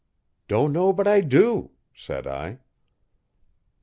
'Don't know but I do,' said I.